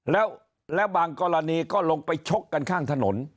แล้วบางกรณีก็ลงไปชกกันข้างถนน